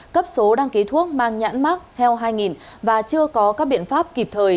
cấp số đăng ký thuốc mang nhãn mắc heo hai nghìn và chưa có các biện pháp kịp thời